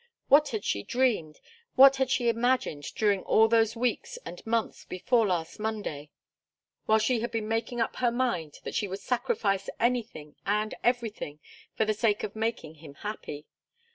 What had she dreamed, what had she imagined during all those weeks and months before last Monday, while she had been making up her mind that she would sacrifice anything and everything for the sake of making him happy?